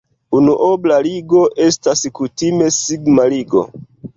Unuobla ligo estas kutime sigma-ligo.